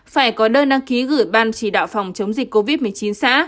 phải có đơn đăng ký gửi ban chỉ đạo phòng chống dịch covid một mươi chín xã